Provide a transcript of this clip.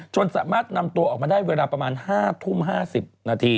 สามารถนำตัวออกมาได้เวลาประมาณ๕ทุ่ม๕๐นาที